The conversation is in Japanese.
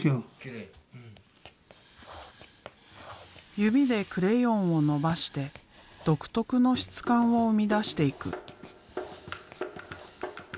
指でクレヨンをのばして独特の質感を生み出していく。